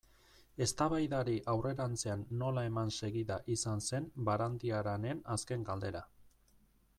Eztabaidari aurrerantzean nola eman segida izan zen Barandiaranen azken galdera.